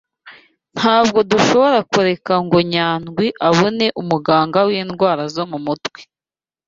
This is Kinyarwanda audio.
Ntabwo dushobora kureka ngo Nyandwiabone umuganga windwara zo mumutwe.